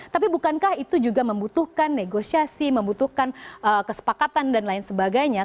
tapi bukankah itu juga membutuhkan negosiasi membutuhkan kesepakatan dan lain sebagainya